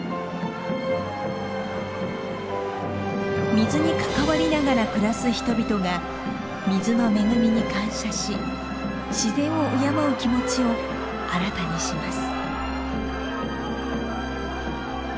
水に関わりながら暮らす人々が水の恵みに感謝し自然を敬う気持ちを新たにします。